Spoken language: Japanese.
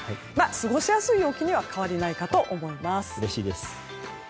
過ごしやすい陽気には変わりないかと思います。